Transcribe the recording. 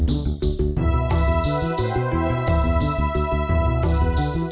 dorong ruhu lebih dari seribu dar dining cost